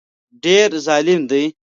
ډېر ظالم دی.